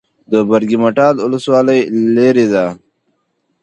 د برګ مټال ولسوالۍ لیرې ده